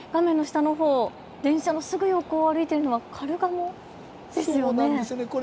電車のすぐ横を歩いているのはカルガモですよね。